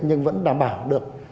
nhưng vẫn đảm bảo được